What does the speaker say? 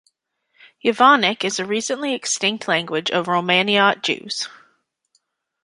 "Yevanic" is a recently extinct language of Romaniote Jews.